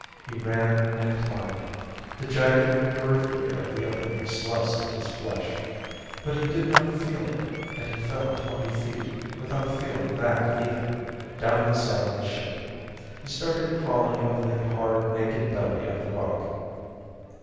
He ran and climbed. The jagged periphery of the opening sliced at his flesh. But he did not feel it, and he fell twenty feet, without feeling that either, down the side of the ship. He started crawling over the hard naked belly of the rock.